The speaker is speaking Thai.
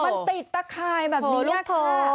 มันติดตะข่ายแบบนี้ค่ะ